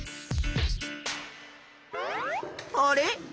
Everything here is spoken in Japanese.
あれ？